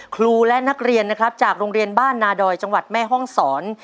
ครูและนักเรียนนะครับจากโรงเรียนบ้านนาดอยจังหวัดแม่ห้องศร